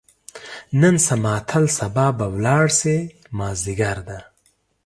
نن شه ماتل سبا به لاړ شې، مازدیګر ده